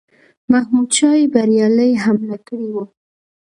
محمودشاه بریالی حمله کړې وه.